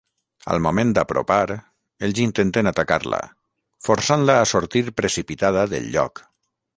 Al moment d'apropar, ells intenten atacar-la, forçant-la a sortir precipitada del lloc.